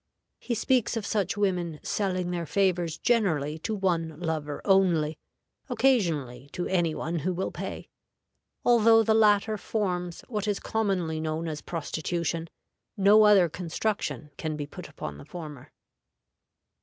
He speaks of such women selling their favors generally to one lover only, occasionally to any one who will pay; although the latter forms what is commonly known as prostitution, no other construction can be put upon the former.